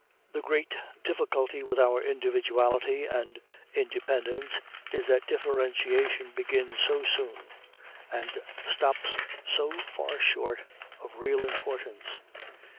The great difficulty with our individuality and independence is that differentiation begins so soon and stops so far short of real importance.